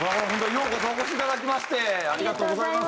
ようこそお越しいただきましてありがとうございます。